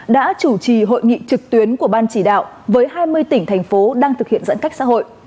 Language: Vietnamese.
đã chủ trì hội nghị trực tuyến của ban chỉ đạo với hai mươi tỉnh thành phố đang thực hiện giãn cách xã hội